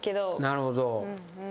なるほど。